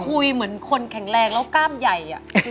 พี่คุยเหมือนคนแข็งแรงแล้วก้ามใหญ่อะ